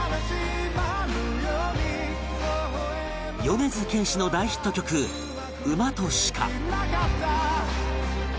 米津玄師の大ヒット曲『馬と鹿』